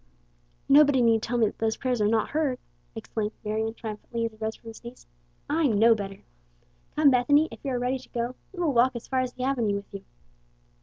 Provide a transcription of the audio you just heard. "Nobody need tell me that those prayers are not heard," exclaimed Marion, triumphantly, as he arose from his knees. "I know better. Come, Bethany; if you are ready to go, we will walk as far as the avenue with you."